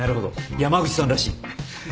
山口さんらしい。